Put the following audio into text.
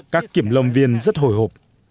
các kiểm lâm viên rất hồi hộp